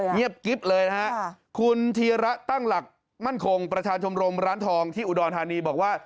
เงียบกิ๊บเลยนะฮะคุณธีระตั้งหลักมั่นคงประธานชมรมร้านทองที่อุดรธานีบอกว่า